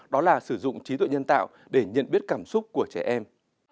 đó là sử dụng trí tuệ nhân tạo để nhận biết cảm xúc của trẻ em